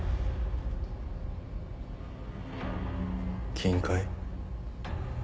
金塊？